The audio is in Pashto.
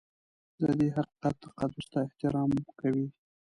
د دې حقیقت تقدس ته احترام کوي.